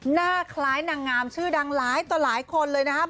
หน้าคล้ายนางงามชื่อดังหลายต่อหลายคนเลยนะครับ